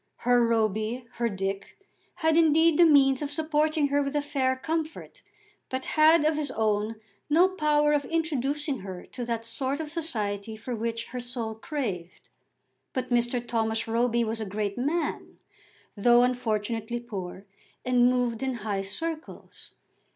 Her Roby, her Dick, had indeed the means of supporting her with a fair comfort, but had, of his own, no power of introducing her to that sort of society for which her soul craved. But Mr. Thomas Roby was a great man, though unfortunately poor, and moved in high circles.